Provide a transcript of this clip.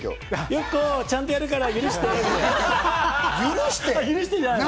ゆっこ、ちゃんとやるから許して。